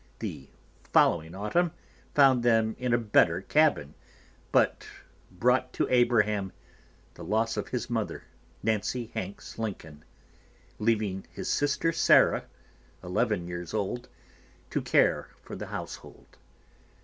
The following autumn found them in a better cabin, but brought to Abraham the loss of his mother, Nancy Hanks Lincoln, leaving his sister Sarah, eleven years old, to care for the household.